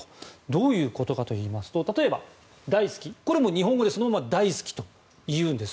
どういうことかといいますと例えば、大好きこれも日本語でそのまま大好きというんです